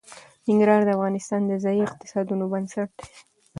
ننګرهار د افغانستان د ځایي اقتصادونو بنسټ دی.